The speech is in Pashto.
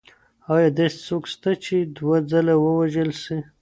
ایا داسې څوک سته چي دوه ځله ووژل سي؟